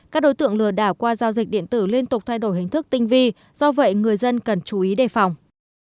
các đối tượng lừa đảo qua giao dịch điện tử liên tục thay đổi hình thức tinh vi do vậy người dân cần chú ý đề phòng